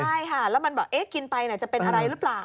ใช่ค่ะแล้วมันแบบเอ๊ะกินไปจะเป็นอะไรหรือเปล่า